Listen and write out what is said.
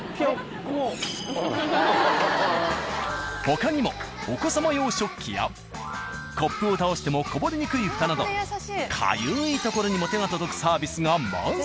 他にもお子様用食器やコップを倒してもこぼれにくい蓋などかゆいところにも手が届くサービスが満載。